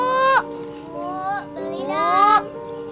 bu beli dong